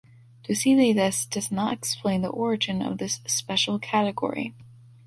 Tucídides does not explain the origin of this special category.